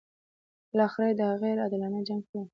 بالاخره یې دا غیر عادلانه جنګ پیل کړ.